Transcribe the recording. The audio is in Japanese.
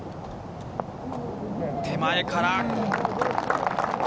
手前から。